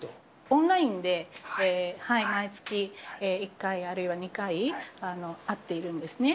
オンラインで毎月１回、あるいは２回、会っているんですね。